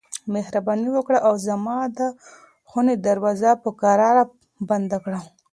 مهرباني وکړه او زما د خونې دروازه په کراره بنده کړه.